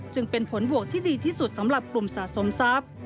จึงเป็นผลบวกที่ดีที่สุดสำหรับกลุ่มสะสมทรัพย์